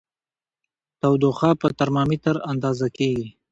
تودوخه په ترمامیتر اندازه کېږي.